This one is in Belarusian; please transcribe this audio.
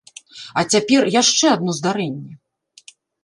А цяпер яшчэ адно здарэнне.